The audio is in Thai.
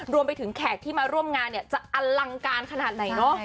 แขกที่มาร่วมงานเนี่ยจะอลังการขนาดไหนเนอะ